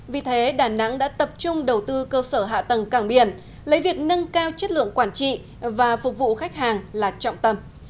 vì thế đà nẵng đã tập trung đầu tư cơ sở hạ tầng cảng biển lấy việc nâng cao chất lượng quản trị và phục vụ khách hàng là trọng tâm